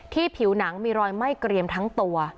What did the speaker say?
ผิวหนังมีรอยไหม้เกรียมทั้งตัว